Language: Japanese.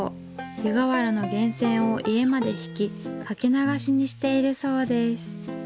湯河原の源泉を家までひき掛け流しにしているそうです。